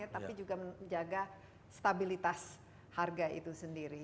tapi juga menjaga stabilitas harga itu sendiri